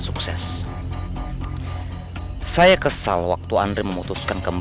saya kesal waktu andre memutuskan